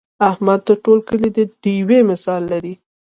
احمد د ټول کلي د ډېوې مثال لري.